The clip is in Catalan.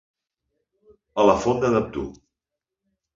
A la Font de Neptú.